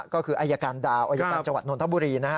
ก็คืออายการดาวอายการจนธบุรีนะฮะ